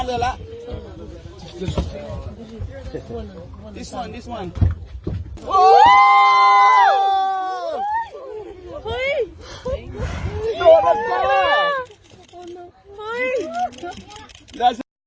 สวัสดีครับ